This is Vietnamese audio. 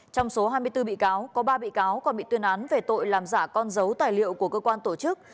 trong số hai mươi bốn bị cáo có ba bị cáo còn bị tuyên án về tội làm giả con dấu tài liệu của cơ quan tổ chức